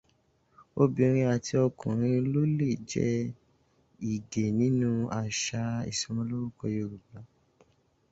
Obìnrin àti ọkùnrin ló lè jẹ́ Ìgè nínú àṣà ìṣọmọlórúkọ Yorùbá.